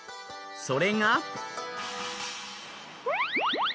それが。